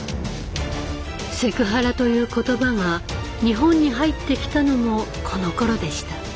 セクハラという言葉が日本に入ってきたのもこのころでした。